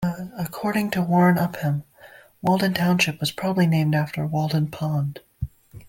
According to Warren Upham, Walden Township was probably named after Walden Pond.